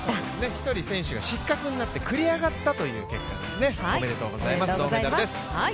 １人選手が失格になって繰り上がったという結果ですねおめでとうございます、銅メダルです。